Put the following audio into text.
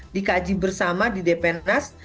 dikaji bersama di depenas